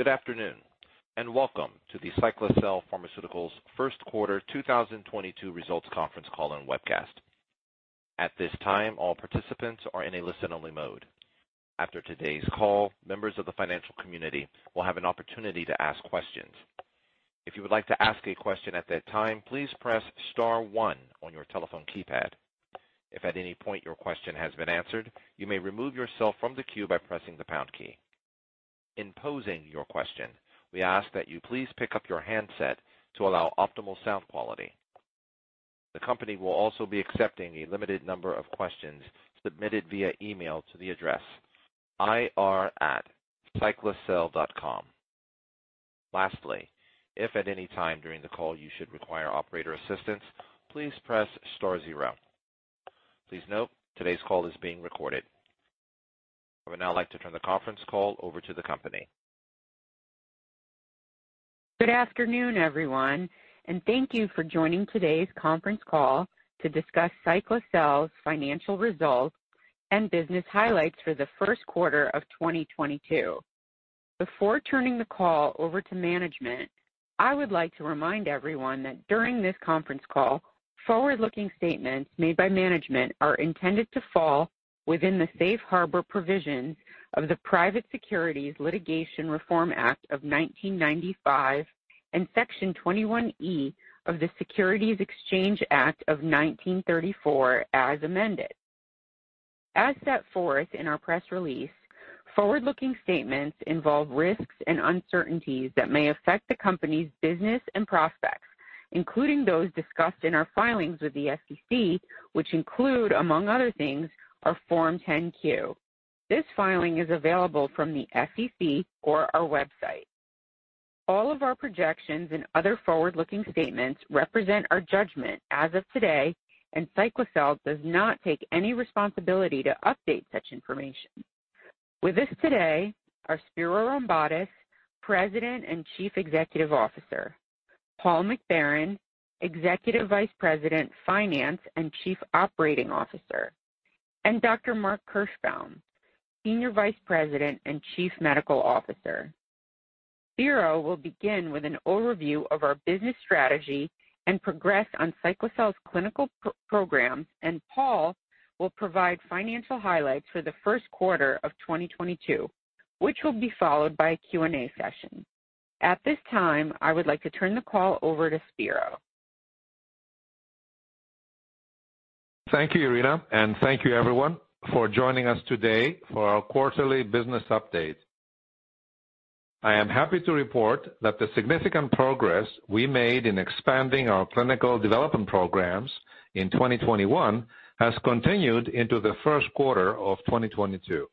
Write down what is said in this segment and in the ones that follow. Good afternoon, and welcome to the Cyclacel Pharmaceuticals First Quarter 2022 Results Conference Call and Webcast. At this time, all participants are in a listen-only mode. After today's call, members of the financial community will have an opportunity to ask questions. If you would like to ask a question at that time, please press star one on your telephone keypad. If at any point your question has been answered, you may remove yourself from the queue by pressing the pound key. In posing your question, we ask that you please pick up your handset to allow optimal sound quality. The company will also be accepting a limited number of questions submitted via email to the address ir@cyclacel.com. Lastly, if at any time during the call you should require operator assistance, please press star zero. Please note, today's call is being recorded. I would now like to turn the conference call over to the company. Good afternoon, everyone, and thank you for joining today's conference call to discuss Cyclacel's financial results and business highlights for the first quarter of 2022. Before turning the call over to management, I would like to remind everyone that during this conference call, forward-looking statements made by management are intended to fall within the safe harbor provision of the Private Securities Litigation Reform Act of 1995 and section 21E of the Securities Exchange Act of 1934, as amended. As set forth in our press release, forward-looking statements involve risks and uncertainties that may affect the company's business and prospects, including those discussed in our filings with the SEC, which include, among other things, our Form 10-Q. This filing is available from the SEC or our website. All of our projections and other forward-looking statements represent our judgment as of today, and Cyclacel does not take any responsibility to update such information. With us today are Spiro Rombotis, President and Chief Executive Officer, Paul McBarron, Executive Vice President, Finance and Chief Operating Officer, and Dr. Mark Kirschbaum, Senior Vice President and Chief Medical Officer. Spiro will begin with an overview of our business strategy and progress on Cyclacel's clinical program, and Paul will provide financial highlights for the first quarter of 2022, which will be followed by a Q&A session. At this time, I would like to turn the call over to Spiro. Thank you, Irina, and thank you everyone for joining us today for our quarterly business update. I am happy to report that the significant progress we made in expanding our clinical development programs in 2021 has continued into the first quarter of 2022.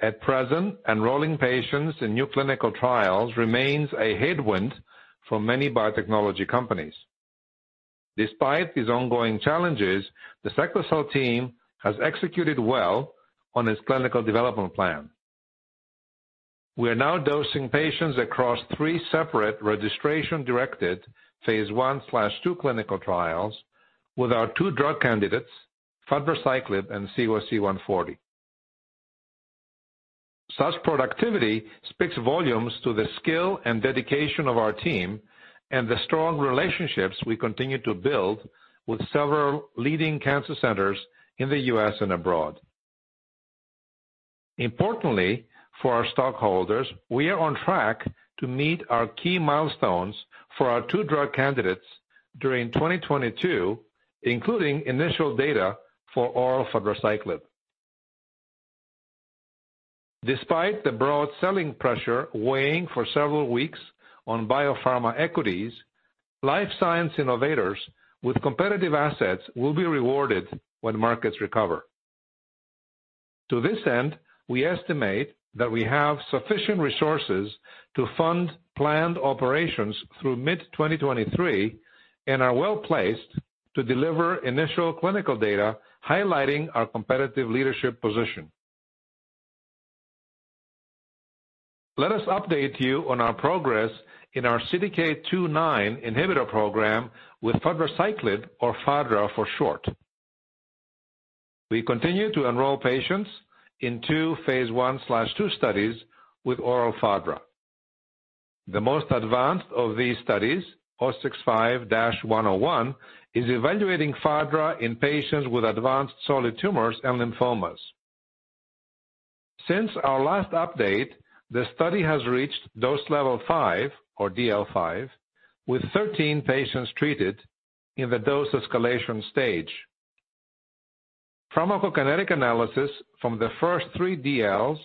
At present, enrolling patients in new clinical trials remains a headwind for many biotechnology companies. Despite these ongoing challenges, the Cyclacel team has executed well on its clinical development plan. We are now dosing patients across 3 separate registration-directed phase 1/2 clinical trials with our two drug candidates, fadraciclib and CYC140. Such productivity speaks volumes to the skill and dedication of our team and the strong relationships we continue to build with several leading cancer centers in the U.S. and abroad. Importantly for our stockholders, we are on track to meet our key milestones for our two drug candidates during 2022, including initial data for oral fadraciclib. Despite the broad selling pressure weighing for several weeks on biopharma equities, life science innovators with competitive assets will be rewarded when markets recover. To this end, we estimate that we have sufficient resources to fund planned operations through mid-2023 and are well-placed to deliver initial clinical data highlighting our competitive leadership position. Let us update you on our progress in our CDK2/9 inhibitor program with fadraciclib or fadra for short. We continue to enroll patients in two phase 1/2 studies with oral fadra. The most advanced of these studies, 065-101, is evaluating fadra in patients with advanced solid tumors and lymphomas. Since our last update, the study has reached dose level 5 or DL 5, with 13 patients treated in the dose escalation stage. Pharmacokinetic analysis from the first 3 DLs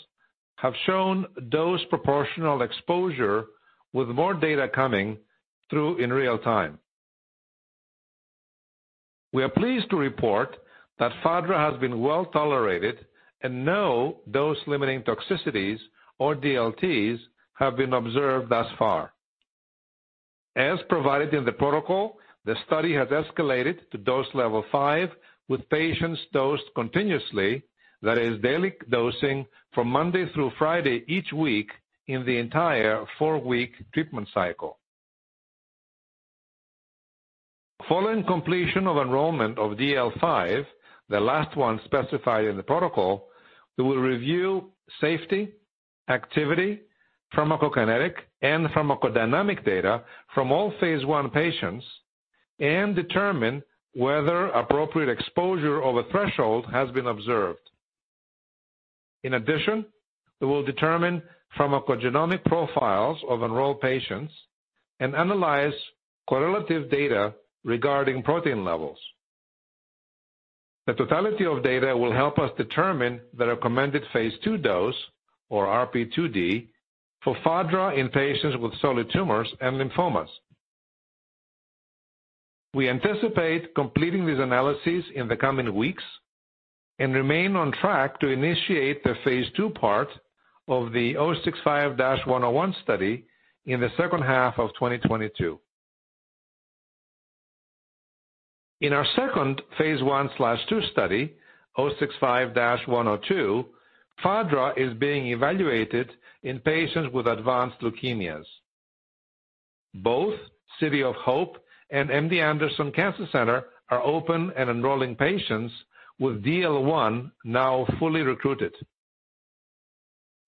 have shown dose proportional exposure with more data coming through in real time. We are pleased to report that fadra has been well tolerated and no dose-limiting toxicities or DLTs have been observed thus far. As provided in the protocol, the study has escalated to dose level 5 with patients dosed continuously, that is daily dosing from Monday through Friday each week in the entire 4-week treatment cycle. Following completion of enrollment of DL 5, the last one specified in the protocol, we will review safety, activity, pharmacokinetic, and pharmacodynamic data from all phase 1 patients and determine whether appropriate exposure of a threshold has been observed. In addition, we will determine pharmacogenomic profiles of enrolled patients and analyze correlative data regarding protein levels. The totality of data will help us determine the recommended phase 2 dose or RP2D for FADRA in patients with solid tumors and lymphomas. We anticipate completing these analyses in the coming weeks and remain on track to initiate the phase 2 part of the 065-101 study in the second half of 2022. In our second phase 1/2 study, 065-102, FADRA is being evaluated in patients with advanced leukemias. Both City of Hope and MD Anderson Cancer Center are open and enrolling patients with DL 1 now fully recruited.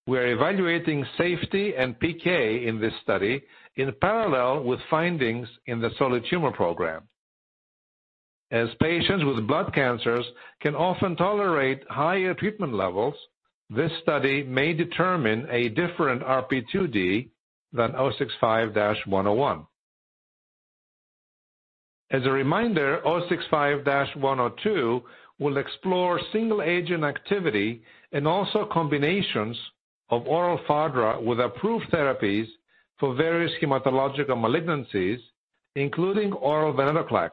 We're evaluating safety and PK in this study in parallel with findings in the solid tumor program. As patients with blood cancers can often tolerate higher treatment levels, this study may determine a different RP2D than 065-101. As a reminder, 065-102 will explore single-agent activity and also combinations of oral fadra with approved therapies for various hematological malignancies, including oral venetoclax.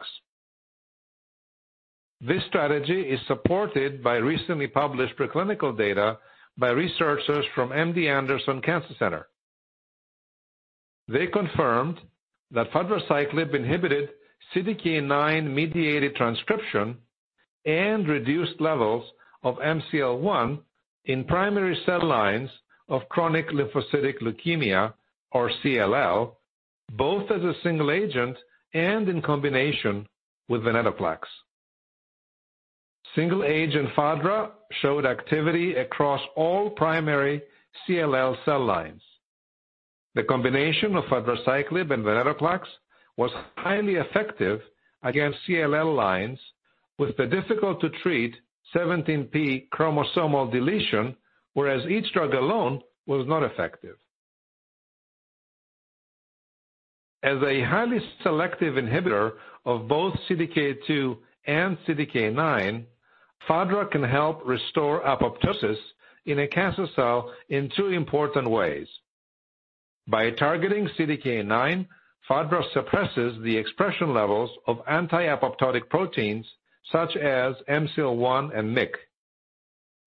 This strategy is supported by recently published preclinical data by researchers from MD Anderson Cancer Center. They confirmed that fadraciclib inhibited CDK9-mediated transcription and reduced levels of MCL1 in primary cell lines of chronic lymphocytic leukemia, or CLL, both as a single agent and in combination with venetoclax. Single-agent fadra showed activity across all primary CLL cell lines. The combination of fadraciclib and venetoclax was highly effective against CLL lines with the difficult-to-treat 17p chromosomal deletion, whereas each drug alone was not effective. As a highly selective inhibitor of both CDK2 and CDK9, fadra can help restore apoptosis in a cancer cell in two important ways. By targeting CDK9, fadra suppresses the expression levels of anti-apoptotic proteins such as MCL1 and MYC.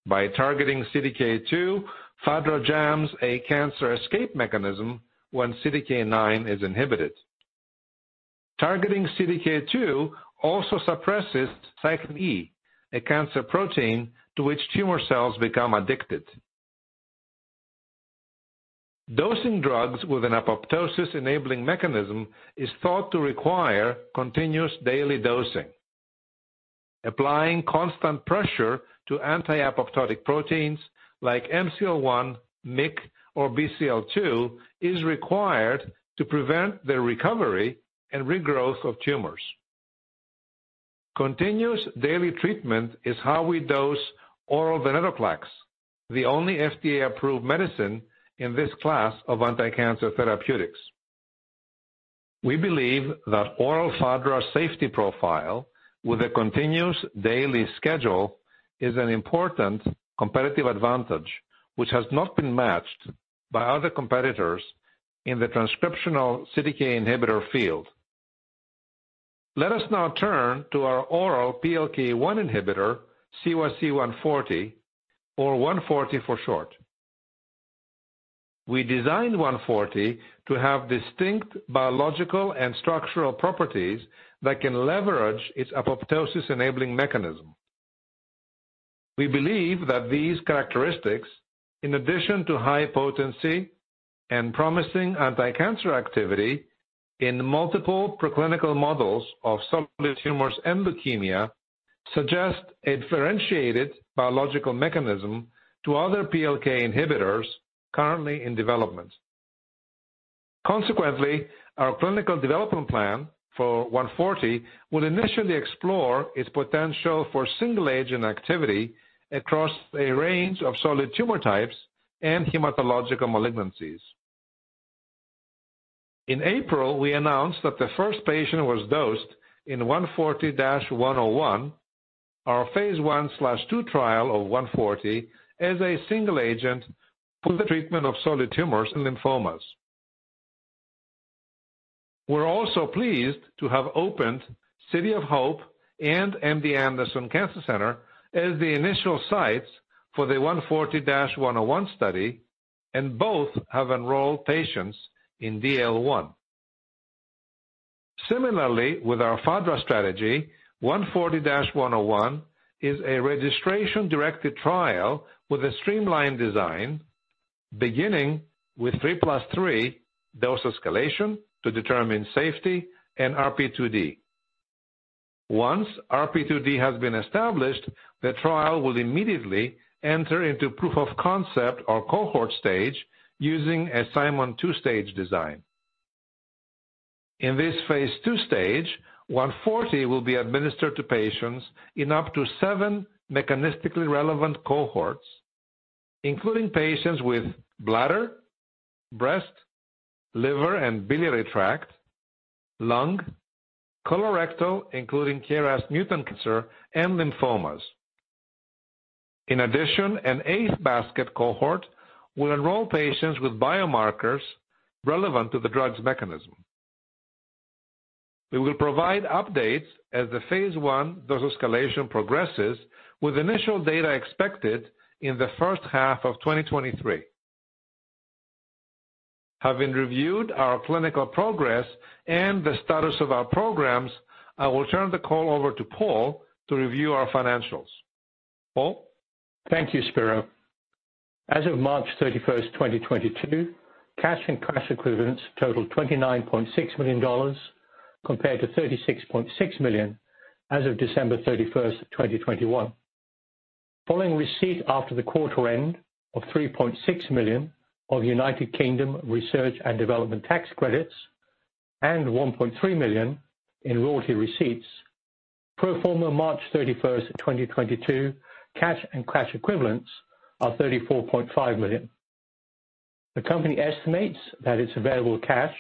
By targeting CDK2, fadra jams a cancer escape mechanism when CDK9 is inhibited. Targeting CDK2 also suppresses Cyclin E, a cancer protein to which tumor cells become addicted. Dosing drugs with an apoptosis-enabling mechanism is thought to require continuous daily dosing. Applying constant pressure to anti-apoptotic proteins like MCL1, MYC, or BCL2 is required to prevent the recovery and regrowth of tumors. Continuous daily treatment is how we dose oral venetoclax, the only FDA-approved medicine in this class of anticancer therapeutics. We believe that oral fadra's safety profile with a continuous daily schedule is an important competitive advantage, which has not been matched by other competitors in the transcriptional CDK inhibitor field. Let us now turn to our oral PLK1 inhibitor, CYC140, or 140 for short. We designed 140 to have distinct biological and structural properties that can leverage its apoptosis-enabling mechanism. We believe that these characteristics, in addition to high potency and promising anticancer activity in multiple preclinical models of solid tumors and leukemia, suggest a differentiated biological mechanism to other PLK inhibitors currently in development. Consequently, our clinical development plan for 140 will initially explore its potential for single-agent activity across a range of solid tumor types and hematological malignancies. In April, we announced that the first patient was dosed in 140-101, our phase 1/2 trial of 140 as a single agent for the treatment of solid tumors and lymphomas. We're also pleased to have opened City of Hope and MD Anderson Cancer Center as the initial sites for the 140-101 study, and both have enrolled patients in DL 1. Similarly, with our fadra strategy, 140-101 is a registration-directed trial with a streamlined design. Beginning with 3+3 dose escalation to determine safety and RP2D. Once RP2D has been established, the trial will immediately enter into proof of concept or cohort stage using Simon two-stage design. In this phase 2 stage, 140 will be administered to patients in up to seven mechanistically relevant cohorts, including patients with bladder, breast, liver, and biliary tract, lung, colorectal, including KRAS mutant cancer, and lymphomas. In addition, an eighth basket cohort will enroll patients with biomarkers relevant to the drug's mechanism. We will provide updates as the phase 1 dose escalation progresses, with initial data expected in the first half of 2023. Having reviewed our clinical progress and the status of our programs, I will turn the call over to Paul to review our financials. Paul? Thank you, Spiro. As of March 31, 2022, cash and cash equivalents totaled $29.6 million compared to $36.6 million as of December 31, 2021. Following receipt after the quarter end of $3.6 million of United Kingdom research and development tax credits and $1.3 million in royalty receipts, pro forma March 31, 2022, cash and cash equivalents are $34.5 million. The company estimates that its available cash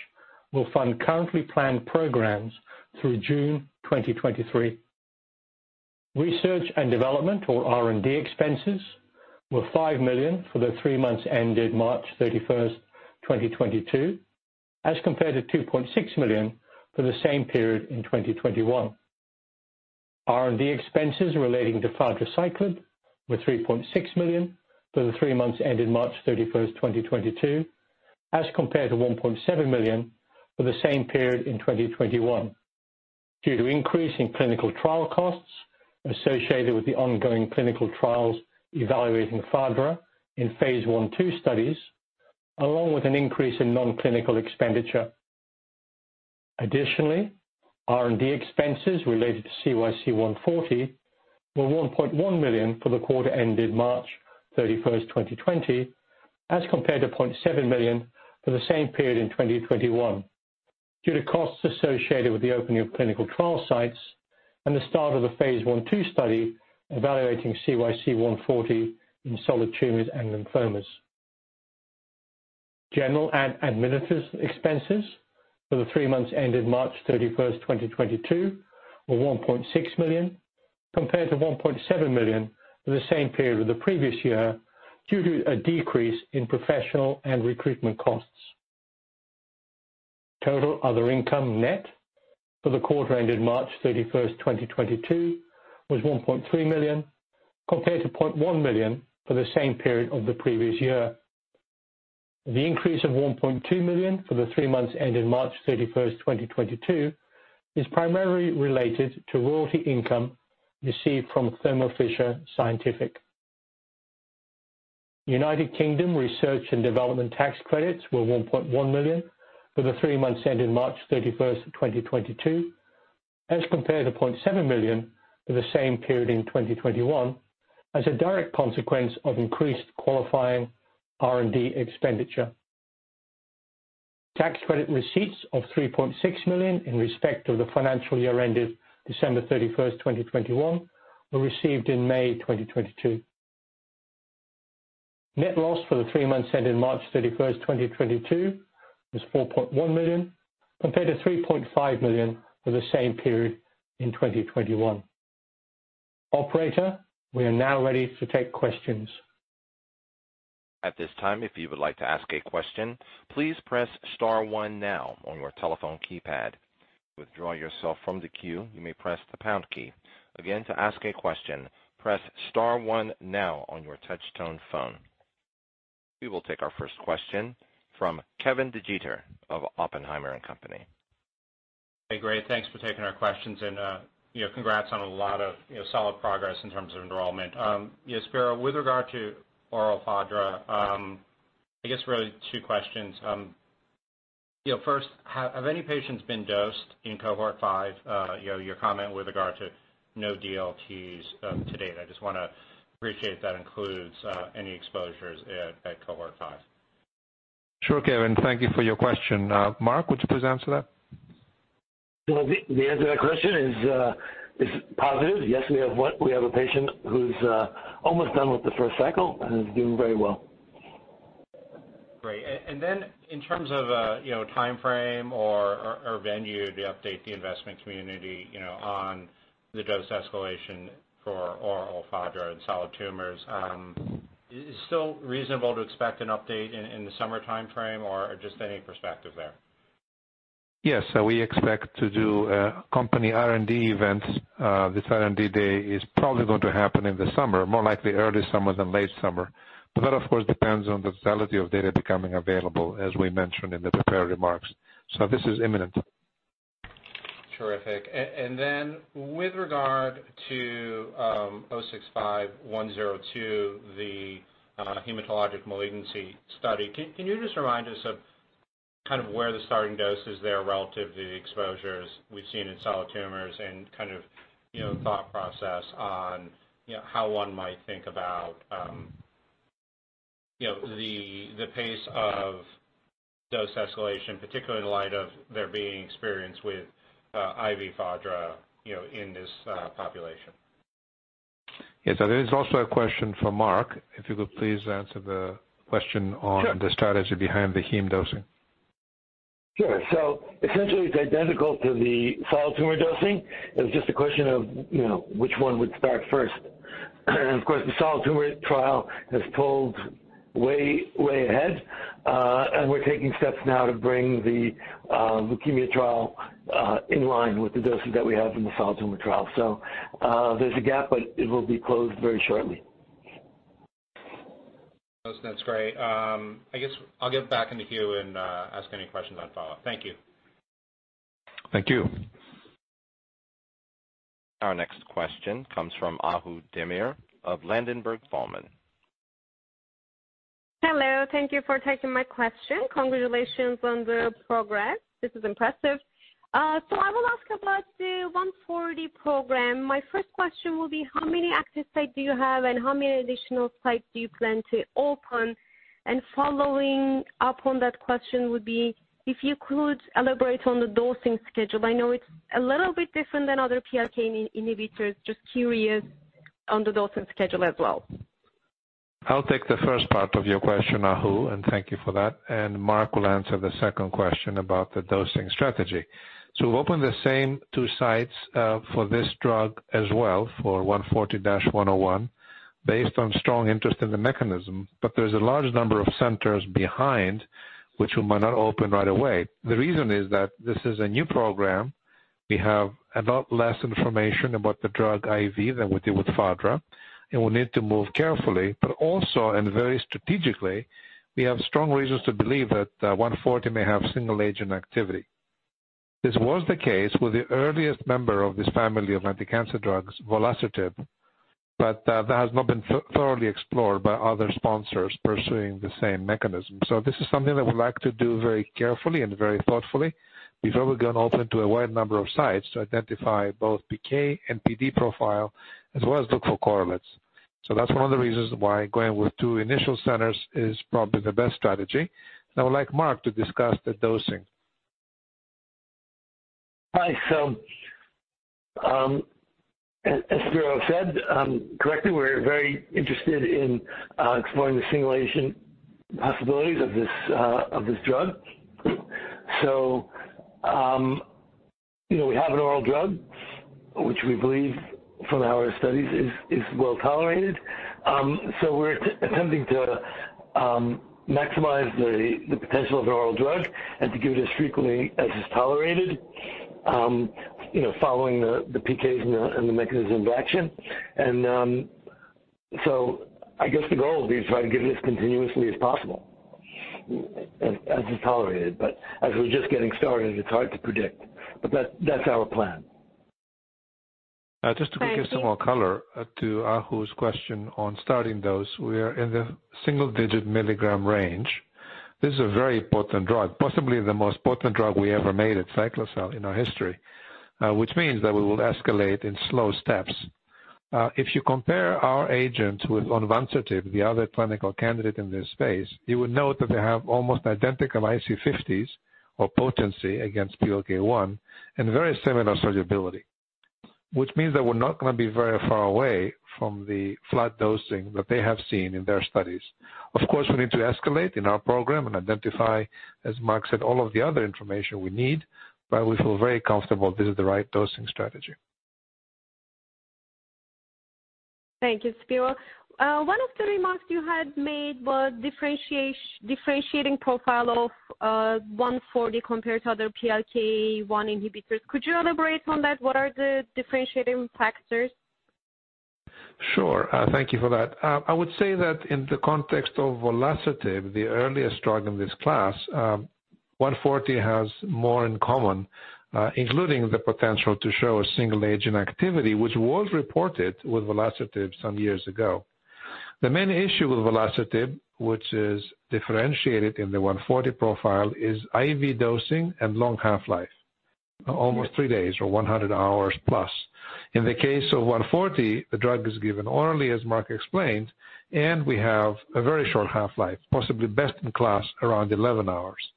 will fund currently planned programs through June 2023. Research and development, or R&D expenses, were $5 million for the three months ended March 31, 2022, as compared to $2.6 million for the same period in 2021. R&D expenses relating to fadraciclib were $3.6 million for the three months ended March 31, 2022, as compared to $1.7 million for the same period in 2021, due to increase in clinical trial costs associated with the ongoing clinical trials evaluating fadra in phase 1/2 studies, along with an increase in non-clinical expenditure. Additionally, R&D expenses related to CYC140 were $1.1 million for the quarter ended March 31, 2020, as compared to $0.7 million for the same period in 2021, due to costs associated with the opening of clinical trial sites and the start of the phase 1/2 study evaluating CYC140 in solid tumors and lymphomas. General and administrative expenses for the three months ended March 31, 2022, were $1.6 million, compared to $1.7 million for the same period of the previous year, due to a decrease in professional and recruitment costs. Total other income net for the quarter ended March 31, 2022, was $1.3 million, compared to $0.1 million for the same period of the previous year. The increase of $1.2 million for the three months ended March 31, 2022, is primarily related to royalty income received from Thermo Fisher Scientific. United Kingdom research and development tax credits were $1.1 million for the three months ending March 31, 2022, as compared to $0.7 million for the same period in 2021, as a direct consequence of increased qualifying R&D expenditure. Tax credit receipts of $3.6 million in respect of the financial year ended December 31, 2021, were received in May 2022. Net loss for the three months ending March 31, 2022, was $4.1 million, compared to $3.5 million for the same period in 2021. Operator, we are now ready to take questions. At this time, if you would like to ask a question, please press star one now on your telephone keypad. To withdraw yourself from the queue, you may press the pound key. Again, to ask a question, press star one now on your touch tone phone. We will take our first question from Kevin DeGeeter of Oppenheimer & Company. Hey, great. Thanks for taking our questions and, you know, congrats on a lot of, you know, solid progress in terms of enrollment. Yes, Spiro, with regard to oral fadra, I guess really 2 questions. First, have any patients been dosed in cohort 5? Your comment with regard to no DLTs to date. I just wanna appreciate that includes any exposures at cohort 5. Sure, Kevin, thank you for your question. Mark, would you please answer that? The answer to that question is positive. Yes, we have one. We have a patient who's almost done with the first cycle and is doing very well. Great. In terms of, you know, timeframe or venue to update the investment community, you know, on the dose escalation for oral fadra in solid tumors, is it still reasonable to expect an update in the summer timeframe, or just any perspective there? Yes. We expect to do company R&D events. This R&D day is probably going to happen in the summer, more likely early summer than late summer. That of course depends on the totality of data becoming available, as we mentioned in the prepared remarks. This is imminent. Terrific. With regard to 065-102, the hematologic malignancy study, can you just remind us of kind of where the starting dose is there relative to the exposures we've seen in solid tumors and kind of you know thought process on you know how one might think about you know the pace of dose escalation, particularly in light of there being experience with IV fadra you know in this population. Yes. There is also a question for Mark, if you could please answer the question on- Sure. the strategy behind the heme dosing. Sure. Essentially, it's identical to the solid tumor dosing. It's just a question of, you know, which one would start first. Of course, the solid tumor trial has pulled way ahead. We're taking steps now to bring the leukemia trial in line with the dosing that we have in the solid tumor trial. There's a gap, but it will be closed very shortly. That's great. I guess I'll get back into queue and ask any questions on follow-up. Thank you. Thank you. Our next question comes from Ahu Demir of Ladenburg Thalmann & Co. Hello. Thank you for taking my question. Congratulations on the progress. This is impressive. I will ask about the 140 program. My first question will be how many active sites do you have, and how many additional sites do you plan to open? Following up on that question would be if you could elaborate on the dosing schedule. I know it's a little bit different than other PLK inhibitors. Just curious on the dosing schedule as well. I'll take the first part of your question, Ahu, and thank you for that, and Mark will answer the second question about the dosing strategy. We've opened the same two sites for this drug as well for 140-101, based on strong interest in the mechanism. There's a large number of centers behind which we might not open right away. The reason is that this is a new program. We have a lot less information about the drug IV than we do with FADRA, and we need to move carefully. Also, and very strategically, we have strong reasons to believe that 140 may have single agent activity. This was the case with the earliest member of this family of anticancer drugs, volasertib, but that has not been thoroughly explored by other sponsors pursuing the same mechanism. This is something that we like to do very carefully and very thoughtfully before we can open to a wide number of sites to identify both PK and PD profile, as well as look for correlates. That's one of the reasons why going with two initial centers is probably the best strategy. I would like Mark to discuss the dosing. Hi. As Spiro said correctly, we're very interested in exploring the combination possibilities of this drug. You know, we have an oral drug, which we believe from our studies is well tolerated. We're attempting to maximize the potential of the oral drug and to give it as frequently as is tolerated, you know, following the PKs and the mechanism of action. I guess the goal will be to try to give it as continuously as possible, as is tolerated. As we're just getting started, it's hard to predict. That's our plan. Just to give some more color to Ahu's question on starting dose, we are in the single-digit milligram range. This is a very potent drug, possibly the most potent drug we ever made at Cyclacel in our history, which means that we will escalate in slow steps. If you compare our agent with onvansertib, the other clinical candidate in this space, you would note that they have almost identical IC50s or potency against PLK1 and very similar solubility, which means that we're not gonna be very far away from the flat dosing that they have seen in their studies. Of course, we need to escalate in our program and identify, as Mark said, all of the other information we need, but we feel very comfortable this is the right dosing strategy. Thank you, Spiro. One of the remarks you had made was differentiating profile of 140 compared to other PLK1 inhibitors. Could you elaborate on that? What are the differentiating factors? Sure. Thank you for that. I would say that in the context of volasertib, the earliest drug in this class, 140 has more in common, including the potential to show a single agent activity, which was reported with volasertib some years ago. The main issue with volasertib, which is differentiated in the 140 profile, is IV dosing and long half-life, almost 3 days or 100 hours plus. In the case of 140, the drug is given orally, as Mark explained, and we have a very short half-life, possibly best in class, around 11 hours.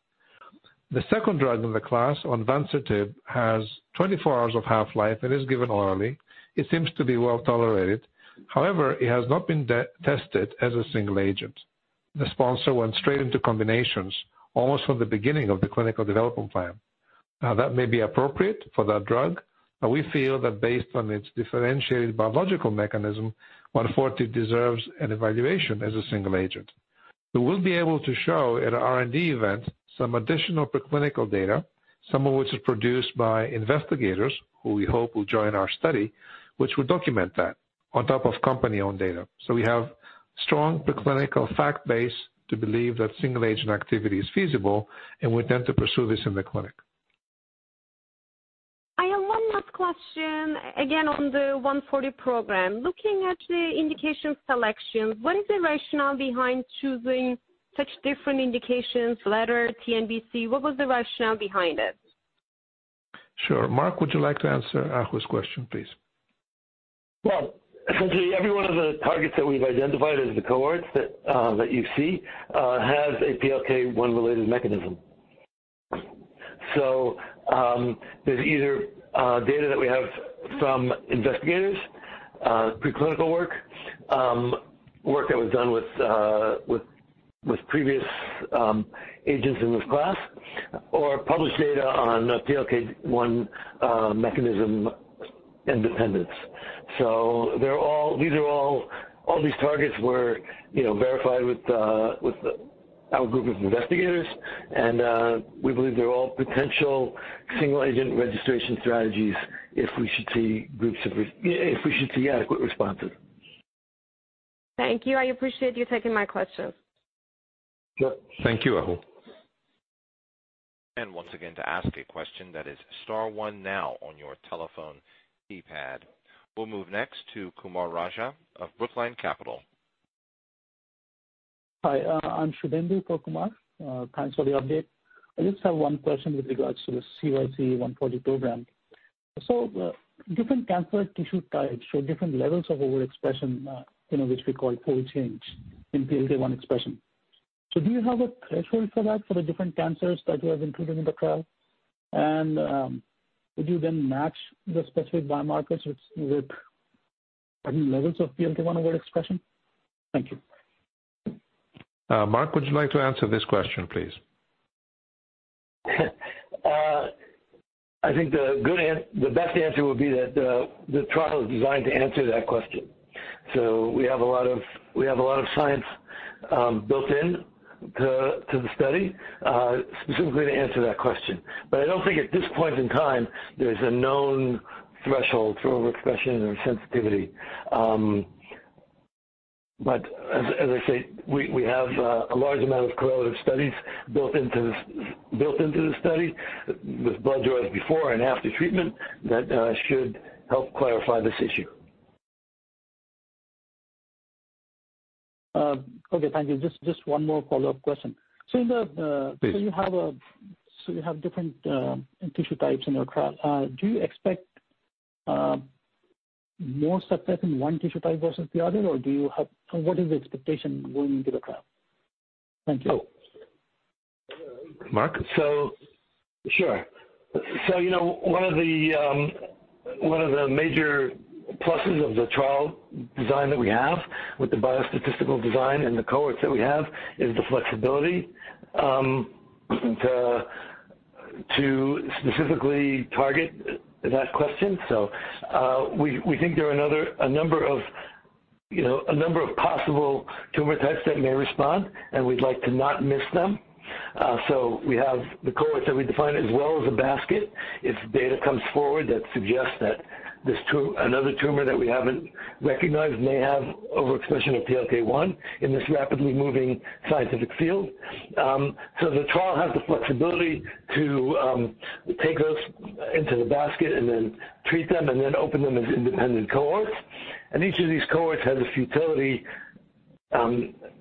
The second drug in the class, onvansertib, has 24 hours of half-life and is given orally. It seems to be well-tolerated. However, it has not been tested as a single agent. The sponsor went straight into combinations almost from the beginning of the clinical development plan. Now, that may be appropriate for that drug, but we feel that based on its differentiated biological mechanism, 140 deserves an evaluation as a single agent. We'll be able to show at our R&D event some additional preclinical data, some of which is produced by investigators who we hope will join our study, which will document that on top of company-owned data. We have strong preclinical fact base to believe that single agent activity is feasible, and we intend to pursue this in the clinic. I have one last question, again, on the 140 program. Looking at the indication selection, what is the rationale behind choosing such different indications, like TNBC? What was the rationale behind it? Sure. Mark, would you like to answer Ahu's question, please? Well, essentially, every one of the targets that we've identified as the cohorts that you see has a PLK1 related mechanism. There's either data that we have from investigators, preclinical work that was done with previous agents in this class, or published data on PLK1 mechanism and dependence. All these targets were, you know, verified with our group of investigators, and we believe they're all potential single agent registration strategies if we should see adequate responses. Thank you. I appreciate you taking my question. Sure. Thank you, Ahu. Once again to ask a question that is star one now on your telephone keypad. We'll move next to Kumaraguru Raja of Brookline Capital Markets. Hi, I'm Shuvendu Kumar. Thanks for the update. I just have one question with regards to the CYC140 program. Different cancer tissue types show different levels of overexpression, you know, which we call fold change in PLK1 expression. Do you have a threshold for that for the different cancers that you have included in the trial? Would you then match the specific biomarkers with certain levels of PLK1 overexpression? Thank you. Mark, would you like to answer this question, please? I think the best answer would be that the trial is designed to answer that question. We have a lot of science built into the study specifically to answer that question. I don't think at this point in time there's a known threshold for expression or sensitivity. As I say, we have a large amount of correlative studies built into this study with blood draws before and after treatment that should help clarify this issue. Okay, thank you. Just one more follow-up question. In the, Please. You have different tissue types in your trial. Do you expect more success in one tissue type versus the other, or what is the expectation going into the trial? Thank you. Mark. Sure. You know, one of the major pluses of the trial design that we have with the biostatistical design and the cohorts that we have is the flexibility to specifically target that question. We think there are a number of possible tumor types that may respond, and we'd like to not miss them. We have the cohorts that we define as well as a basket. If data comes forward that suggests that another tumor that we haven't recognized may have overexpression of PLK1 in this rapidly moving scientific field. The trial has the flexibility to take those into the basket and then treat them and then open them as independent cohorts. Each of these cohorts has a futility,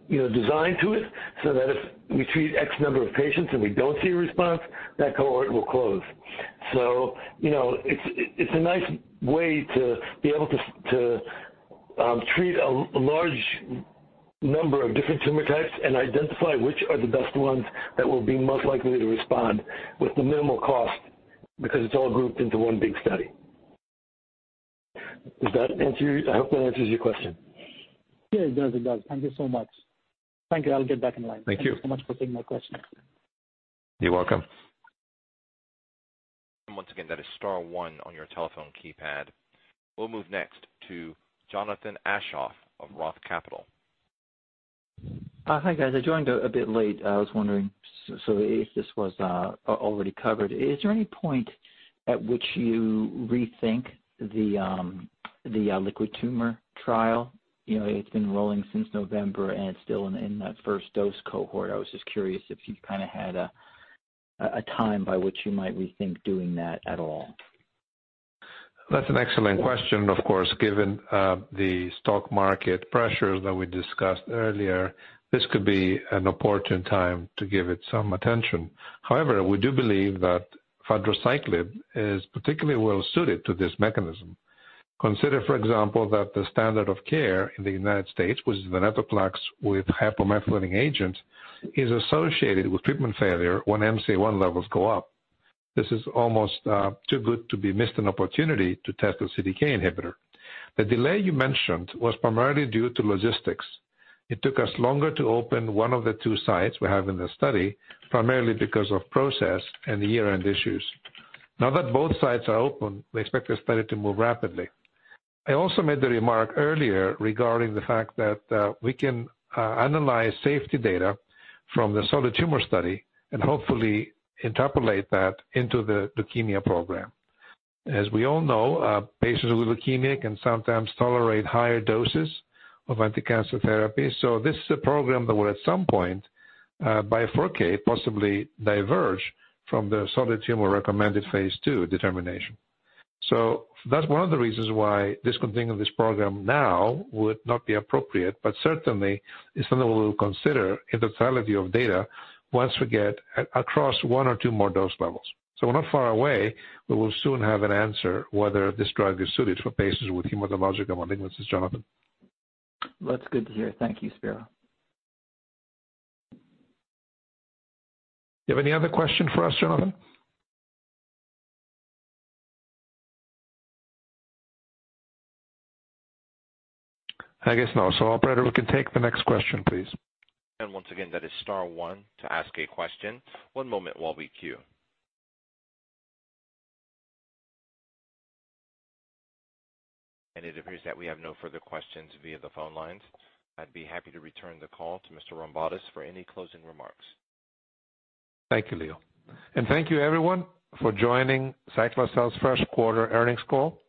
you know, design to it, so that if we treat X number of patients and we don't see a response, that cohort will close. You know, it's a nice way to be able to treat a large number of different tumor types and identify which are the best ones that will be most likely to respond with the minimal cost because it's all grouped into one big study. Does that answer your question? I hope that answers your question. Yeah, it does. Thank you so much. Thank you. I'll get back in line. Thank you. Thank you so much for taking my question. You're welcome. Once again, that is star one on your telephone keypad. We'll move next to Jonathan Aschoff of Roth Capital Partners. Hi, guys. I joined a bit late. I was wondering, so if this was already covered. Is there any point at which you rethink the liquid tumor trial? You know, it's been rolling since November, and it's still in that first dose cohort. I was just curious if you kinda had a time by which you might rethink doing that at all. That's an excellent question. Of course, given the stock market pressures that we discussed earlier, this could be an opportune time to give it some attention. However, we do believe that fadraciclib is particularly well suited to this mechanism. Consider, for example, that the standard of care in the United States, which is venetoclax with hypomethylating agent, is associated with treatment failure when MCL-1 levels go up. This is almost too good to be missed an opportunity to test a CDK inhibitor. The delay you mentioned was primarily due to logistics. It took us longer to open one of the two sites we have in the study, primarily because of process and the year-end issues. Now that both sites are open, we expect the study to move rapidly. I also made the remark earlier regarding the fact that, we can, analyze safety data from the solid tumor study and hopefully interpolate that into the leukemia program. As we all know, patients with leukemia can sometimes tolerate higher doses of anticancer therapy. This is a program that will at some point, by PK, possibly diverge from the solid tumor recommended phase 2 determination. That's one of the reasons why discontinuing this program now would not be appropriate, but certainly it's something we'll consider in the totality of data once we get across one or two more dose levels. We're not far away. We will soon have an answer whether this drug is suited for patients with hematological malignancies. Jonathan. That's good to hear. Thank you, Spiro. Do you have any other question for us, Jonathan? I guess no. Operator, we can take the next question, please. Once again, that is star one to ask a question. One moment while we queue. It appears that we have no further questions via the phone lines. I'd be happy to return the call to Mr. Rombotis for any closing remarks. Thank you, Leo. Thank you everyone for joining Cyclacel's first quarter earnings call.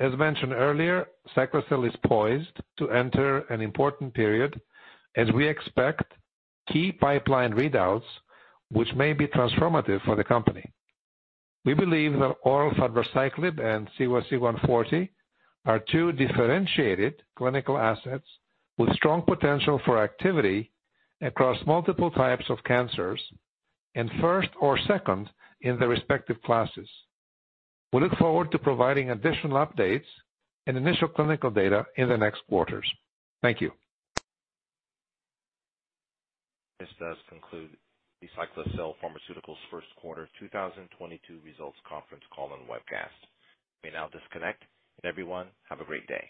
As mentioned earlier, Cyclacel is poised to enter an important period as we expect key pipeline readouts which may be transformative for the company. We believe that oral fadraciclib and CYC140 are two differentiated clinical assets with strong potential for activity across multiple types of cancers, and first or second in their respective classes. We look forward to providing additional updates and initial clinical data in the next quarters. Thank you. This does conclude the Cyclacel Pharmaceuticals first quarter 2022 results conference call and webcast. You may now disconnect. Everyone, have a great day.